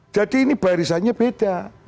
jadi ini barisannya beda